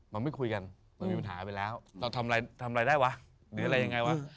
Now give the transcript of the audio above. มันไม่คุยกันมันมีปัญหาไปแล้วเราทำอะไรทำอะไรได้วะหรืออะไรยังไงวะ